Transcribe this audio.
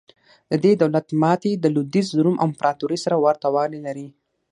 د دې دولت ماتې د لوېدیځ روم امپراتورۍ سره ورته والی لري.